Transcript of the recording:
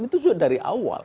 itu sudah dari awal